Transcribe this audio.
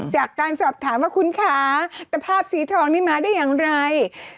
จากการสอบถามว่าคุณคะตะภาพสีทองนี้มาได้อย่างไร